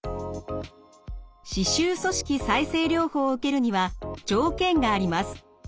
歯周組織再生療法を受けるには条件があります。